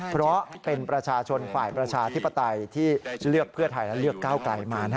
เพราะเป็นประชาชนฝ่ายประชาธิปไตยที่เลือกเพื่อไทยและเลือกก้าวไกลมา